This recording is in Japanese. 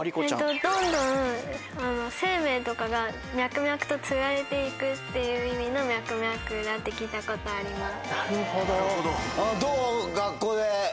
どんどん生命とかが脈々と継がれて行くっていう意味のミャクミャクだって聞いたことあります。